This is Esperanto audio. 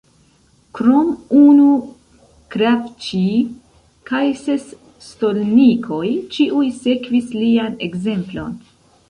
Krom unu kravĉij kaj ses stolnikoj ĉiuj sekvis lian ekzemplon.